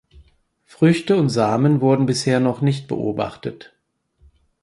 Früchte und Samen wurden bisher noch nicht beobachtet.